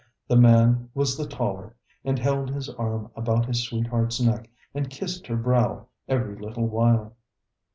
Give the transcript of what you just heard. The man was the taller, and held his arm about his sweetheart's neck and kissed her brow every little while.